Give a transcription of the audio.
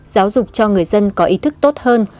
giáo dục cho người dân có ý thức tốt hơn